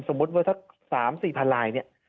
สมมติเวอร์สัก๓๔๐๐๐ลายนี่